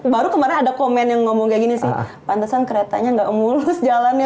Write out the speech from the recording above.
baru kemarin ada komen yang ngomong kayak gini sih pantasan keretanya nggak mulus jalannya